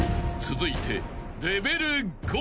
［続いて］